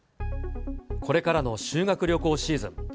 これからの修学旅行シーズン。